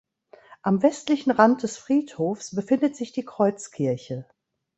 Am westlichen Rand des Friedhofs befindet sich die Kreuzkirche.